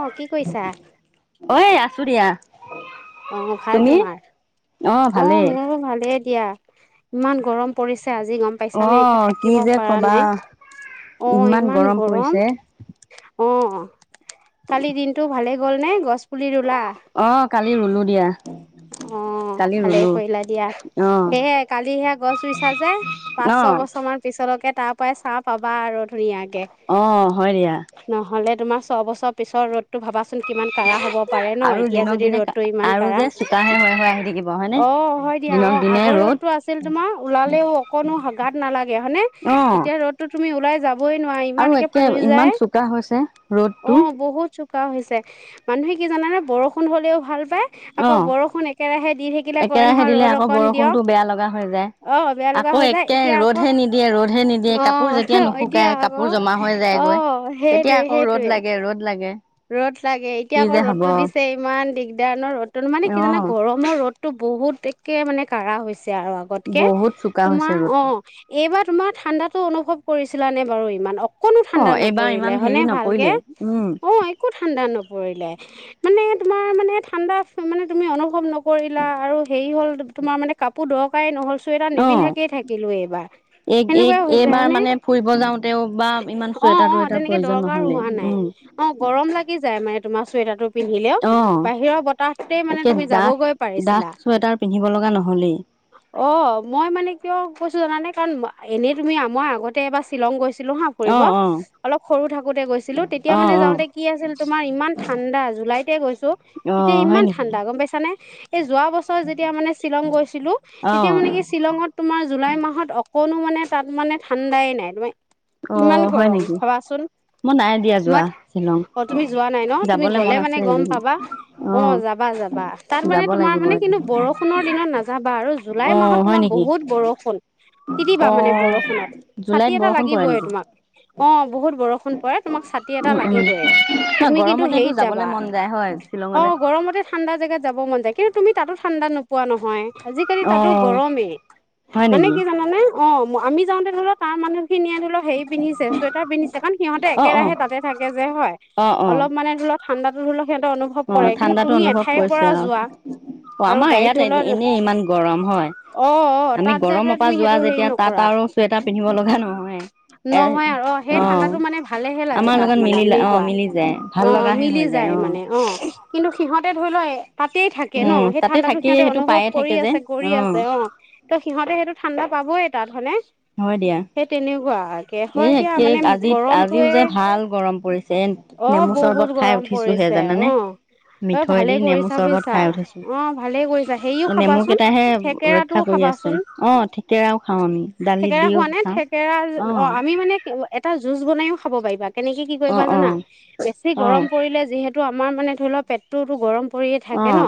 অ', কি কৰিছা? চু দিয়া। অ' ভাল তোমাৰ, অ', মোৰ ভালেই। এতিয়া ইমান গৰম পৰিছে। আজি গম পাইছা নে একে থাকিব পৰা নাই অ', ইমান গৰম। অঁ অঁ কালি দিনটো ভালে গ'ল নে গছ পুলি ৰুলা কালি ৰুলোঁ দিয়া অঁ ভালেই কৰিলা দিয়া সেই য়ে কালি সেই ৰুইছা যে পাঁচ ছয় বছৰ মান পিছতত তাকে তাৰপৰাই চা পাবা আৰু ধুনীয়াকৈ অঁ হয় দিয়া ছয়বছৰ পিছত ৰ'ডটো ভাবাচোন কিমান কাৰা হ'ব পাৰে ন এতিয়া যদি ৰ'দতটো ইমান কাৰা অঁ হয় দিয়া অঁ আগৰ ৰ'দতটো আছিল তোমাৰ ওলালেও অকণো গাত নালাগে হয়নেে এতিয়া ৰ'দটো তুমি ওলাই যাব আৰু একে ইমান চোকা হৈছে ৰ'দটো হৈছে মানুহে কি জান নে বৰষুণ হ'লেও ভাল আকৌ বৰষুণ একেৰাহে দিলে আকৌ বৰষুণতটো বেয়া লগা হৈ যায় আকৌ একে ৰ'দহে নিদিয়ে ৰ'দহে নিদিয়ে কাপোৰ যেতিয়া নুশুকাই কাপোৰ জমা হৈ যায়গৈ তেতিয়া আকৌ ৰ'দ লাগে ৰ'দ লাগে ৰ'দ লাগে এতিয়া আকৌ ৰ'দতো দিছে ইমান দিগদাৰ ৰ'দটো মানে কি জানা গৰমৰ ৰ'দতটো বহুত প্ৰত্যেকে মানে কাৰা হৈছে আৰু আগতকৈ তোমাৰ অঁ এইবাৰ তোমাৰ ঠাণ্ডাতটো অনুভৱ কৰিছিলা নে বাৰু ইমান অঁ অকোনো ঠাণ্ডা নপৰিলে হয় নে ভালকৈ একো ঠাণ্ডা নপৰিলে মানে তোমাৰ মানে ঠাণ্ডা মানে তুমি অনুভৱ ন কৰিৰিলা আৰু হেৰি হ'ল তোমাৰ মানে কাপোৰ ধৰক পাই নহ' অঁ এই এইবাৰ মানে ফুৰিব যাওঁতেওঁ বা ইমান চুৱেটাৰ টুৱেটাৰ প্ৰয়োজন নহলে উম গৰম লাগি যায় মানে তোমাৰ চুৱেটাৰটো পিন্ধিলেওঁ বাহিৰৰ বতাহতেই মানে তুমি যাবগৈ পাৰিছিলা অঁ মই মানে কিয় কৈছো জানানে কাৰণ এনেই তুমি আমাৰ আগতে এবাৰ শ্বিলং গৈছো গৈছিলো হাঁ কৰিব অলপ সৰু থাকোঁতেই গৈছিলো তেতিয়া মানে এতিয়া কি আছিল তোমাৰ ইমান ঠাণ্ডা জুলাইতে গৈছো এতিয়া ইমান ঠাণ্ডা গম পাইছা নে হয় এই যোৱা বছৰ যেতিয়া মানে শ্বিলং গৈছিলো তেতিয়া মানে কি শ্বিলঙত তোমাৰ জুলাই মাহত কোনো মানে তাত মানে ঠাণ্ডাই নাই ত অ হয় নেকি মই নাই দিয়া যোৱা অ তুমি যোৱা নাই ন তুমি গলে মানে গম পাবা অ যাবা যাবা তাত মানে তোমাৰ মানে কিন্তু বৰষুণৰ দিনত নাযাবা আৰু জুলাই মাহত তোমাক বহুত বৰষুণ তিতিিবা মানে বৰষুণত ছাতি এটা লাগিবইে তোমাক অ বহুত বৰষুণ কৰে তোাক ছাতি ল তুমি কিন্তু হেৰিত যাবা অ গৰমতে ঠাণ্ডা জেগাত যাব মন যায় কিন্তু তুমি তো ঠাণ্ডা পোৱা নহয় আজিকালি তাতো গৰমেই মানে কি জানানে অ আমি যাওঁতে ধৰা তাৰ মানে খিনি আনিলও স হেই পিধছে চুৱোৰ পিন্ধি কাৰণ সিহঁতেেৰাে তাতে থাকে যে হয় অলপ মানে ধ ঠাণ্াতোল অ ঠাণ্ডাতো অনুভৱ কৰিছে আৰু অ আমাৰ ইয়াত এনেই ইমান গৰম হয় আমি গৰমৰ পৰা যোৱা যেতিয়া তাত আৰু চুৱেটাৰ পিন্ধিব লগা নহয় অ আমাৰ লগত মিলি অ মিলি যায় ভাল লগাহে হৈ যায় অ কিন্তু সিহঁত তাতে ধই লয়ে তাতেই থাকে ন সেই ঠাণ্ডাো সিহঁতে অনুভৱ কৰি আছে কৰি আছে অ ত সিহঁতে সেইটো ঠাণ্ডা পাবই তাত ধৰণে হয় দিয়া এে আজি আজিও যে ভাল গৰম পৰিছে এ নেমু চৰ্বত খাই উঠিছোহে জানানে মিঠৈ দি নেমু চৰ্বত খাই উঠিছো নেমু কেইটাহে ৰক্ষা কৰি আছে অ ঠিকেৰাও খাও আমি খালি দিও খাওঁ কেৰা অ আমি মানে এটা জুচ বনাইও খাব পাৰিবা কেনেকে কি কৰিবা জানা বেছি গৰম পৰিলে যিহেতু আমাৰ মানে থলা পেটটোতো গৰম পৰিয়ে থাকে ন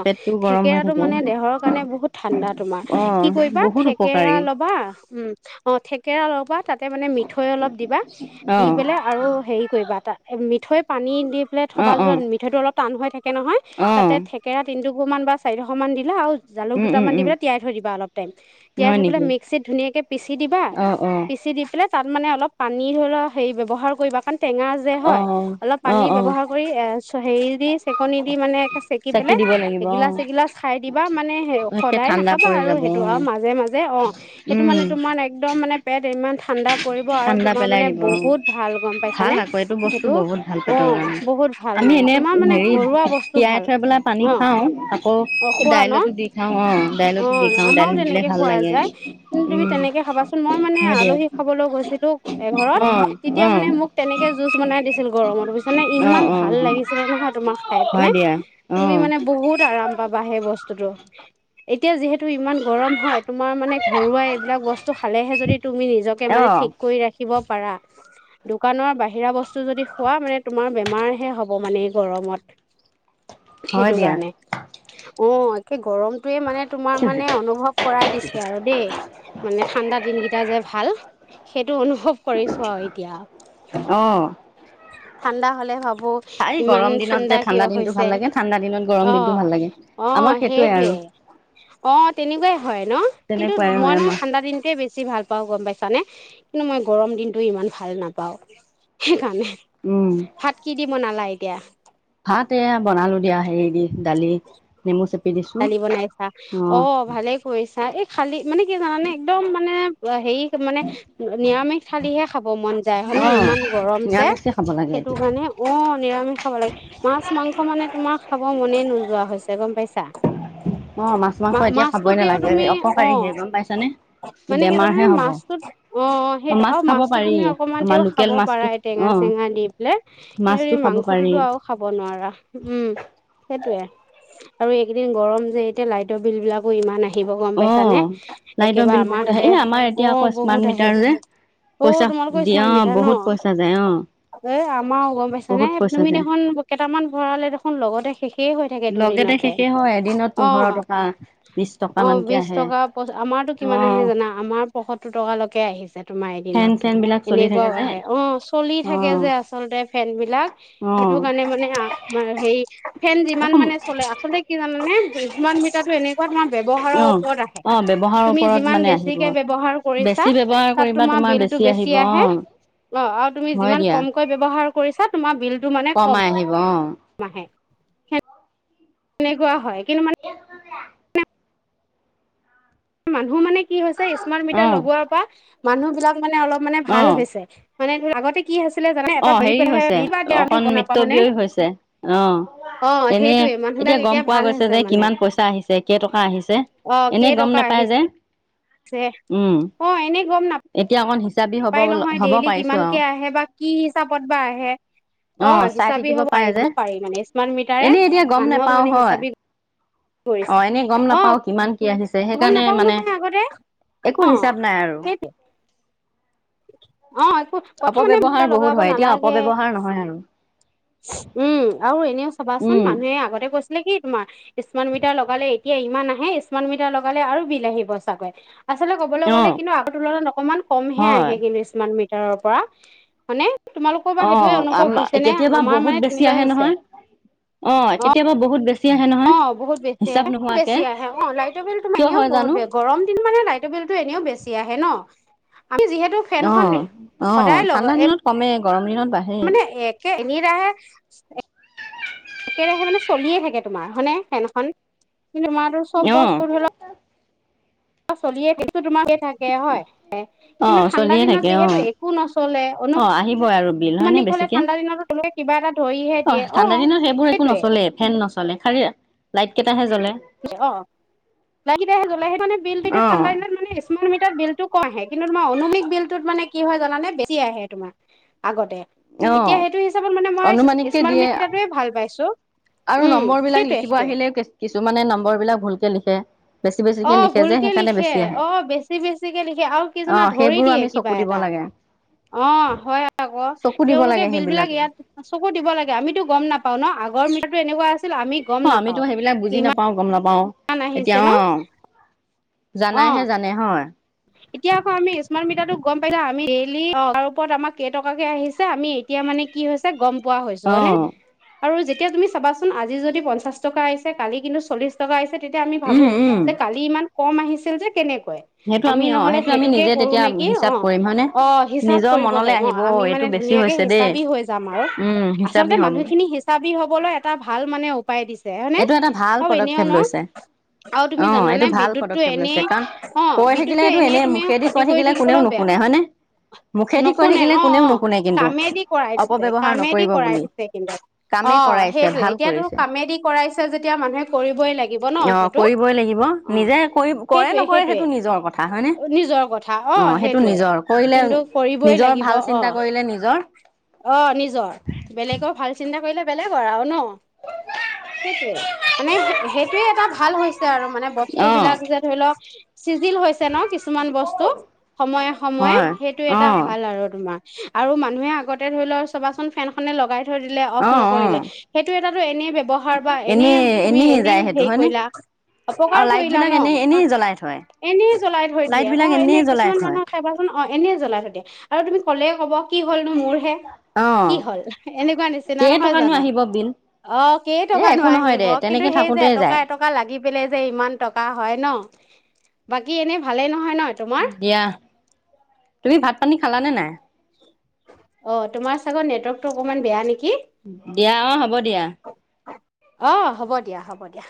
থেকেৰাটো মানে দেহৰ কাৰণে বহুত ঠাণ্ডা তোমাৰ কি কৰিবা থেকেৰা লবা উম অ থেকেৰা ল তাতে মানে মিঠৈ অলপ দিবা দি পেলাই আৰু হেৰি কৰিবা তাত থৈ পানী দি প্লে সবা যাত মিঠাটোলপ কাম হৈ থা থে নহয় তাতে থেকেৰা তিনটু দুশ মান বা চাৰিশ মান দিলা আৰু জালুক দুটামান দি পেলাই তিয়াই থৈ দিবা অলপ টাইম তিয়াই থৈ পেলাই মিক্সিত ধুনীয়াকে পিচি দিবা। দি পেলাই তাত মানে অলপ পানী ধৰি লওঁক হেৰি ব্যৱহাৰ কৰিবা কাৰণ টেঙা যে হয় অলপ পানী ব্যৱহাৰ কৰি এ হেৰি দি চেকনি দি মানে চেকি পেলে এগিলাচ এগিলাচ খাই দিবা মানে সে সদায় নাখাবা আৰু সেইটো আৰু মাজে মাজে অ', সেইটো মানে তোমাৰ একদম মানে ইমান ঠাণ্ডা পৰিব আৰু তোমাৰ মানে বহুত ভাল গম পাইছানে সেইটো অ', বহুত ভাল মানে তোমাৰ মানে ঘৰুৱা বস্তু ভাল। থৈ পেলাই পানী খাওঁ, আকৌ দাইলতো দি খাওঁ অ', দাইলতো দি খাওঁ, দাইল দিলে ভাল লাগে উম। মানে আলহী খাবলৈ গৈছিলো এঘৰত তেতিয়া মানে মোক তেনেকে জুচ বনাই দিছিল গৰম বুইছানে? ইমান ভাল লাগিছিলে নহয়, তোমাক খাই পিনে তুমি মানে বহুত আৰাম পাবা সেই বস্তুটো। এতিয়া যিহেতু ইমান গৰম হয়, তোমাৰ মানে ঘৰুৱা এইবিলাক বস্তু খালে যদি তুমি নিজকে মানে ঠিক কৰি ৰাখিব পাৰা দোকানৰ বাহিৰা বস্তু যদি খোৱা মানে তোমাৰ বেমাৰহে হ'ব মানে এই গৰমত সেইটো কাৰণে অ' গৰমটোৱে মানে তোমাৰ মানে অনুভৱ কৰাই দিছে আৰু দেই মানে ঠাণ্ডা দিন কি যে, ভাল সেইটো অনু অনুভৱ কৰিছো আৰু এতিয়া। ঠাণ্ডা হ'লে ভাব ইমান ঠাণ্ডা কিয় হৈছে, অ', অ', হেইটোৱে অ', তেনেকুৱাই হয়, ন? কিন্তু মই নহয়, ঠাণ্ডা দিনটোয়ে বেছি ভাল গম পাইছানে? কিন্তু মই গৰম দিনটো ইমান ভাল নাপাওঁ সেইকাৰণে ভাত কি দি বনালা? [unintelligible] ভাত এয়া বনালো দিয়া হেৰি দি দালি নেমু চেপ দালি বনাইছা অ' ভালে কৰিছা এই খালি মানে কি জানানে একদম মানে হেৰী মানে নিৰামিষ থালিহে খাব মন যায় হয়ানে ইমান গৰম যে সেইটো কাৰণে অ' নিৰামিষ খাব লাগে। মাছ, মাংস মানে তোমাৰ খাব মনে নোযোৱা হৈছে গ'ম পাইছা। মা-মাছটো তেওঁ তুমি অ', মানে, কিজে মাছটোত, অ, সেইটো আৰু মাছটো তুমি অকমান তে খাব পাৰা। এই টেঙা চেঙা দি পেলাই কি মাংসটোতো আৰু খাব নোৱাৰা। উম, সেইটোয়ে। আৰু এই গৰম যে লাইতৰ বিল বিলাকো ইমানেই আহিব গম পাইছানে। একেবাৰে আমাৰ তাতে অ', বহুত আহে। অ', তোমালোকৰ কিছুমান মিঠা ন। এ আমাৰও, গম পাইছাানে তুমি দেখোন কেইটামান ভৰালে দেখোন লগতে শেষেই হৈ থাকে দুদিনতে অ', অ', অ'। বিশ টকা পচ আমাৰতো কিমান আহে জানা, আমাৰ পয়সত্তৰ টকালৈকে আহিছে। তোমাৰ এদিনত এনেকুৱাও আহে। অ', চলি থাকে যে আচলতে ফেন বিলাক সেইটো কাৰণে মানে আমাৰ হে ফেন যিমান মানে চলে আচলতে [unintelligible] মিটাৰটো এনেকুৱা তোমাৰ ব্য়ৱহাৰৰ ওপৰত আহে। তুমি যিমান বেছিকে ব্য়ৱহাৰ কৰিছা তাত তোমাৰ বিলটো বেছি আহে। অ', আৰু তুমি যিমান কমকৈ ব্যৱহাৰ কৰিছা তোমাৰ বিল কমাই আহিব অ'। মাহে [unintelligible] তেনেকুৱা হয়। কিন্তুমান [inaudible] মানুহ মানে কি হৈছে স্মাৰ্ট মিটাৰ লগোৱাৰ পৰা মানুহ বিলাক মানে অলপ মানে ভাল হৈছে। মানে তোৰ আগতে কি আছে অ, হেৰি হৈছে, অকন মিত্যব্যয়ি হৈছে, অ', এনে এতিয়া গম পোৱা গৈছে যে কিমান পইচা আহিছে, কেই টকা আহিছে এনেই গম নাপ পাই যায়। ছে অ', এনেই গম না নাপাই নহয়, ডেইলি কিমানকে আহে বা কি এপত বা আহে, অ', হিচাপি হ'ব পাৰি পাৰি মানে স্মাৰ্ট মিটাৰে মানুহক মানে হিচাবি অ', এনেই গম নাপাও, কিমান কি আহিছ গম নাপাও নহয়, আগতে অ', সেইটো। অ', একো প্ৰথমতে মোক আ লগাব নালাগে উম, আৰু এনেও চবাচোন মানুহে আগতে কৈছ কি তোমাৰ স্মাৰ্ট মিটাৰ লগালে এতিয়া ইমান আহে স্মাৰ্ট মিটাৰ লগালে আৰু বিল আহিব চাগৈ। আচলতে ক'বলৈ গ'লে কিন্তু আগৰ তুলনাত অকনমান কমহে আহে। কিমান মিটাৰৰ পৰা মানে অ আম কেতিয়াবা বহুত বেছি আহে নহয় অ কেতিয়াবা বহুত বেছি অ বহুত বেছি আহে বেছি আহে অ লাইটৰ বিলো মানেও বহুত গৰম দিন মানে লাইটৰ বিলতো এনেও বেছি আহে ন অ অ ঠাণ্ডা দিনত কমে গৰম দিনত মানে একে এনে ৰাহে একেৰাহে মানে চলিয়ে থাকে তোমাৰ হয়নে ফেনখন কিন্তু মই আৰু চব বস্তুৰ হল চলিয়ে কিন্তু তোমাক থাকে হয় কিন্তু ঠাণ্ডা দিনত যিহেতু একো নষ্ট অ আহিবই আৰু বিল হয় ন বেছিকে অ ঠাণ্ডা দিনত সেইবোৰ একো নচলে ফেন নচ জলে খালি লাইট কেইটাহে জ্বলে অ লাইটকেইটা হে জলে সেইকাৰণে বিলটো এতিয়া ঠাণ্ডা দিনত মানে স্মাৰ্টমিটাৰ বিলটো কম আহে কিন্তু তোমাৰ অনমিক বিলটোত মানে কি হয় জানানে বেছি আহে তোমাৰ আগতে এতিয়া সেইটো হিচাপত মানে মই স্মাৰ্ট মিটাৰটোৱে ভাল পাইছো উম সেইটোৱে সেইটোৱে ৰবলাক ভুলকে লিখে অ ভুলকে লিখে অ বেছি বেছিকে লিখে আৰু কেইজনা ধৰি দিয়ে কিবা এটা অ হয় আকৌ তেওঁলোকে বিল বিলাক ইয়াত চকু দিব লাগে আমিতো গম নাপাও ন আগৰ ম নে ব [inaudible] অ আমিতো সেইবিলাক বুজি নাপাও গম নাপাও ন ন আহিছে ন জানাইহে জানে হয় এতিয়া আকৌ আমি স্মাৰ্ট মিটাৰো গম পাই আমি ডেইলি ওপৰত আমাৰ কেইটকাকে আহিছে আমি এতিয়া মানে কি হৈছে গম পোৱা হৈছো হয়নে আৰু যেতিয়া তুমি চাবা আজি যদি পঞ্চাশ টকা আছে কালি কিন্তু চল্লিশ টকা আহিছে তেতিয়া আমি ভাবো যে কালি ইমান কম আহিছিল যে কেনেকা হয় আমি নহলে সেইটোকে কৰো নেকি অ অ হিচাপ কৰিব পাৰিম অ আমি মানে ধুনীয়াকে হিচাবি হৈ যাম আৰু আচলতে মানুহখিনি হিচাবি হবলৈ এটা ভাল মানে উপায় দিছে হয়নে আৰু এনেও ন আৰু তুমি জানানে বিদ্যুতটো এনেই অ বিদ্যুত এনে তুমি ক্ষতি কৰি থাকিবলৈ বেয়া নশুনে অ অ কামেদি কৰাই দিছে কামেদি কৰাই দি কিন্তু অ সেইটোে এতিয়া কামেদি কৰাই যেতিয়া মানুহে কৰিবই লাগিব ন সেইটো অ সেইটোৱে সেইটোৱে নিজৰ কথা অ সেইটোৱে কিন্তু কৰিবই লাগিব অ অ নিজৰ বেলেগৰ ভাল চিন্তা কৰিলে বেলেগ ব আৰু ন সেইটয়ে মানে সেইটোয়ে এটা ভাল হৈছে আৰু মানে বস্তু বিলাক যে ধৰি লওক চিজিল হয় ন কিছুমান বস্তু সময়ে সময়ে সেইটো এটা ভাল আৰু তোমাৰ আৰু মানুহে আগতে ধৰি লও চবাচোন ফেন খনে লগাই দিল অফ নকৰিলে সেইটো এটো এনে ব্যৱহাৰ বা এনে তুমি এনে হেৰি কৰিলা অকাৰ কৰিলা ন এ াই থৈ দিয়ে অ এনে কিছুমান মানুহৰ চাইাচোন অ এনেই জ্বলাই থৈিয়ে তুম ক'লেই ক'ব কি হ'লনো মোৰহে কি হল এনেকুৱা নিচিনা নহয় জানো অ কেই টকা নো আহিব কিন্তু সেই যে এটকা এটকা লাগি পেলাই যে ইমান টকা হয় ন কি এনে ভালে নহয় ন দিয়া তুমি ভাত পানী খালানে নাই অ তোমাৰ চাগৰ নেটৱৰ্কতটো অকনমান বেয়া নেকি দিয়া অ হ'ব দিয়া অ হ'ব দিয়া হ'ব দিয়া